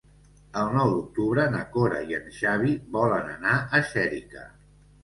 El nou d'octubre na Cora i en Xavi volen anar a Xèrica.